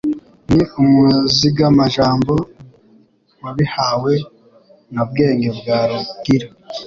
Ni Umuzigamajambo wabihawe na Bwenge bwa Rugira.